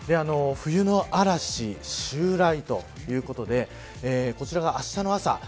冬の嵐、襲来ということでこちらが、あしたの朝。